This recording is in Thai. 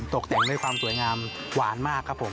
ตกแต่งด้วยความสวยงามหวานมากครับผม